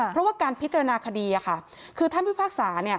เพราะว่าการพิจารณาคดีคือท่านพิพากษา